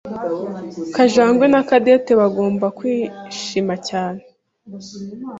Kajangwe Na Cadette bagomba kwishima cyane.